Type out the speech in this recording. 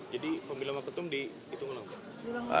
jadi pemilihan waktu itu dihitung ulang